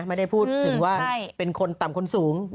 ไม่ได้พูดถึงว่าเป็นคนต่ำคนสูง